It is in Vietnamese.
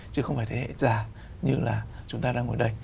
chứ không phải thế hệ già như là chúng ta đang ngồi đây